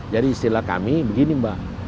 jadi istilah kami begini mbak